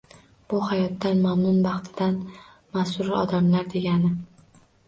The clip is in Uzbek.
Bu hayotidan mamnun, baxtidan masrur odamlar degani.